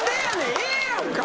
ええやんか！